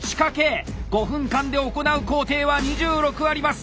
５分間で行う工程は２６あります！